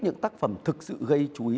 những tác phẩm thực sự gây chú ý